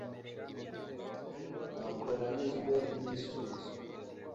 Ntabwo nanyuzwe nibisubizo.